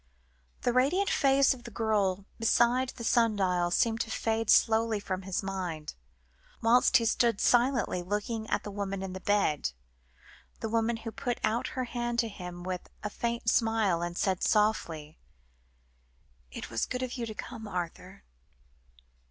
The radiant face of the girl beside the sun dial seemed to fade slowly from his mind, whilst he stood silently looking at the woman in the bed, the woman who put out her hand to him with a faint smile, and said softly "It was good of you to come, Arthur.